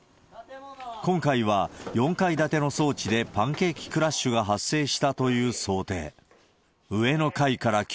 今回は、４階建ての装置でパンケーキクラッシュが発生したという想定。